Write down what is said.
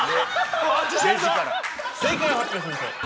◆正解を発表しましょう。